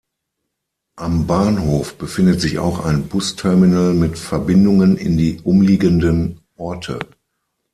Am Bahnhof befindet sich auch ein Busterminal mit Verbindungen in die umliegenden Orte.